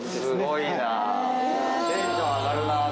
すごいな。